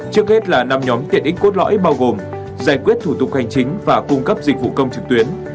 trước hết là năm nhóm tiện ích cốt lõi bao gồm giải quyết thủ tục hành chính và cung cấp dịch vụ công trực tuyến